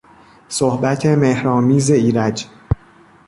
صحبت مهرآمیز ایرج